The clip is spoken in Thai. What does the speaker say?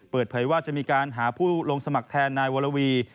เปิดเผยว่าจะมีการหาผู้ลงสมัครแทนนายวรวี